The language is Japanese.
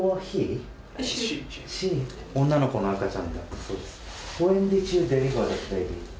女の子の赤ちゃんだそうです。